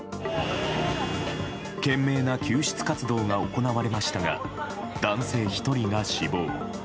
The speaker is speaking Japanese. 懸命な救出活動が行われましたが男性１人が死亡。